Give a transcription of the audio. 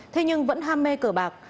thế nhưng vẫn ham mê cờ bạc